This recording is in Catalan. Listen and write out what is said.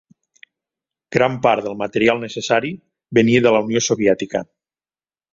Gran part del material necessari venia de la Unió Soviètica.